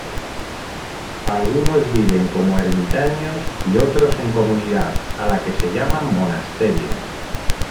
Algunos viven como ermitaños y otros en comunidad, a la que se llama monasterio.